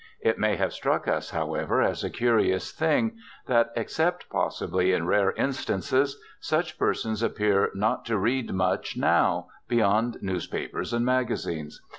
It may have struck us, however, as a curious thing that, except possibly in rare instances, such persons appear not to read much now, beyond newspapers and magazines.